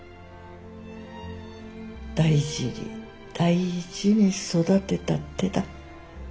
大事に大事に育てた手だ。